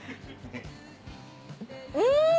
うん！